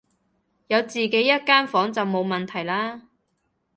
有自己一間房就冇問題啦